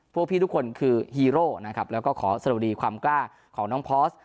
พวกพี่ทุกคนคือฮีโร่นะครับแล้วก็ขอสรุปดีความกล้าของน้องพอร์ส